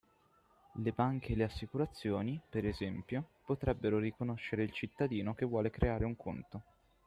Le banche e le assicurazioni, per esempio, potrebbero riconoscere il cittadino che vuole creare un conto